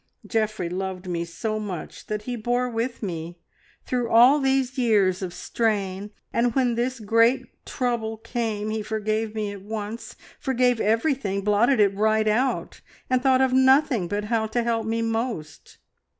Geoffrey loved me so much that he bore with me, through all these years of strain, and when this great trouble came, he forgave me at once, forgave everything, blotted it right out, and thought of nothing but how to help me most.